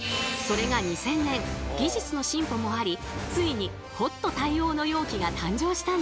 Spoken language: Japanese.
それが２０００年技術の進歩もありついにホット対応の容器が誕生したんです。